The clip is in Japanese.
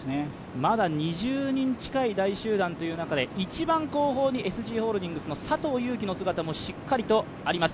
まだ２０人近い大集団という中で一番後方にＳＧホールディングスの佐藤悠基の姿もしっかりとあります。